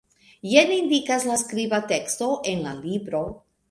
Jen indikas la skriba teksto en la libro.